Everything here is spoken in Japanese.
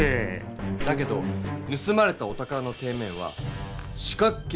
だけどぬすまれたお宝の底面は四角形なんですよ。